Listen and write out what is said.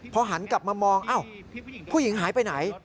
พอหันกลับมามองผู้หญิงหายไปไหน